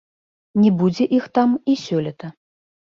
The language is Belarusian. Не будзе іх там і сёлета.